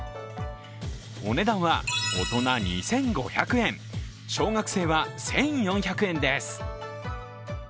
お値段は大人２５００円、小学生は１４００円です。